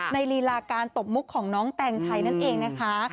ลีลาการตบมุกของน้องแตงไทยนั่นเองนะคะ